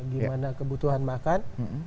bagaimana kebutuhan makan